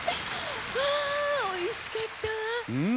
あおいしかったわ。